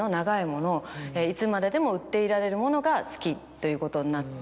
いつまででも売っていられるものが好きということになって。